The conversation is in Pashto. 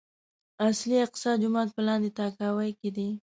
اصلي اقصی جومات په لاندې تاكاوۍ کې دی.